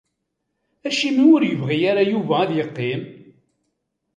Acimi ur yebɣi ara Yuba ad yeqqim?